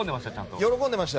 喜んでました。